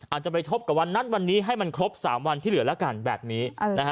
อาจจะไปทบกับวันนั้นวันนี้ให้มันครบ๓วันที่เหลือแล้วกันแบบนี้